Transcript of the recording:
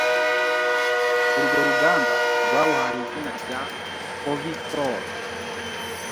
urwo ruganda rwawuhaye izina rya Covifor